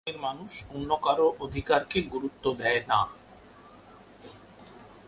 গ্রামের মানুষ অন্য কারোর অধিকারকে গুরুত্ব দেয় না।